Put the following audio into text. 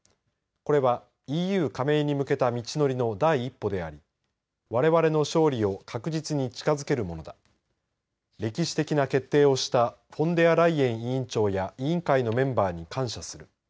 これはＥＵ加盟に向けた道のりの第一歩でありわれわれの勝利を確実に近づけるものだと歴史的な決定をしたフォンデアライエン委員長や委員会のメンバーに感謝する。